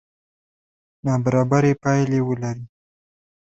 نابرابرې پایلې ولري.